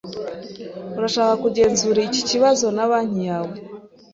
Urashaka kugenzura iki kibazo na banki yawe?